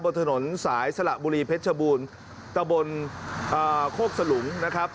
บนถนนสายสละบุรีเพชรบูรณ์ตะบนโคกสลุงนะครับ